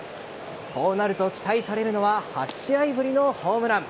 こうなると期待されるのは８試合ぶりのホームラン。